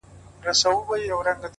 خپل قوتونه وپېژنئ؛